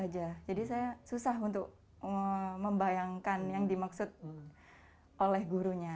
jadi saya susah untuk membayangkan apa yang dimaksud oleh gurunya